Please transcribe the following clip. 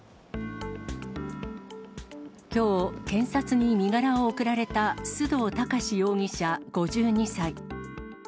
きょう、検察に身柄を送られた須藤高志容疑者５２歳。